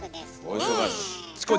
お忙しい。